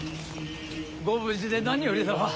ご無事で何よりだわ。